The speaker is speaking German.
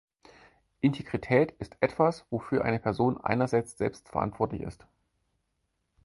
Integrität ist etwas, wofür eine Person einerseits selbst verantwortlich ist.